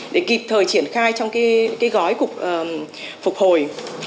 để kịp thời triển khai trong cái gói cục phục hồi